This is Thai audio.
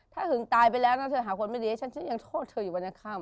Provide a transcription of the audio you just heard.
ถ้าหึงตายไปแล้วนะเธอหาคนไม่ดีให้ฉันฉันยังโทษเธออยู่วันยังค่ำ